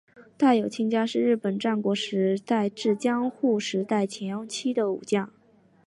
大友亲家是日本战国时代至江户时代前期的武将。